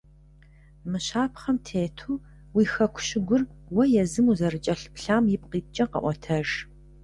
Мы щапхъэм тету уи хэку щыгур уэ езым узэрыкӀэлъыплъам ипкъ иткӀэ къэӀуэтэж.